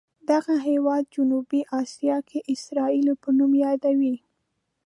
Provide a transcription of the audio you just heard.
دغه هېواد جنوبي اسیا کې اسرائیلو په نوم یادوي.